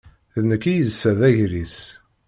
D nekk i yessa d agris.